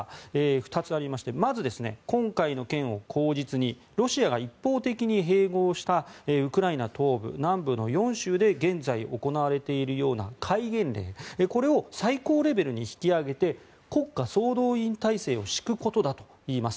２つありましてまず、今回の件を口実にロシアが一方的に併合したウクライナ東部、南部の４州で現在、行われているような戒厳令これを最高レベルに引き上げて国家総動員体制を敷くことだといいます。